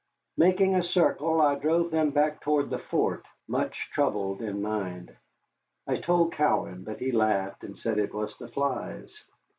Making a circle I drove them back toward the fort, much troubled in mind. I told Cowan, but he laughed and said it was the flies.